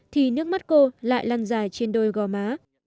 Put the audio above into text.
thì nước mắt cô lại lan dài trên đôi gò má